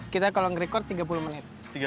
kita kalau ngerekod tiga puluh menit